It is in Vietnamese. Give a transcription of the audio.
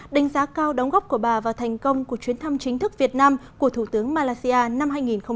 đánh giá cao đóng góp của bà và thành công của chuyến thăm chính thức việt nam của thủ tướng malaysia năm hai nghìn một mươi chín